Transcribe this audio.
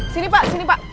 sini pak sini pak